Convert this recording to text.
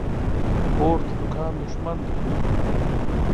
پور د دوکان دښمن دى.